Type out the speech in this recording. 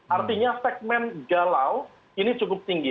artinya segmen galau ini cukup tinggi